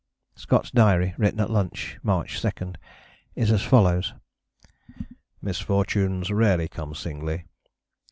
Scott's diary, written at lunch, March 2, is as follows: "Misfortunes rarely come singly.